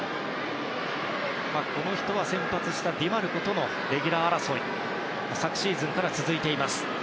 この人は先発したディマルコとのレギュラー争いが昨シーズンから続いています。